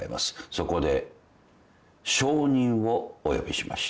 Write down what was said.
そこで証人をお呼びしました。